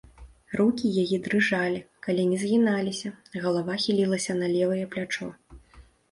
Рукі яе дрыжалі, калені згіналіся, галава хілілася на левае плячо.